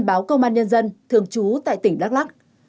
báo công an nhân dân thường trú tại tỉnh đắk lắc